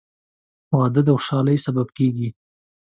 • واده د خوشحالۍ سبب کېږي.